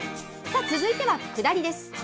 さあ、続いては下りです。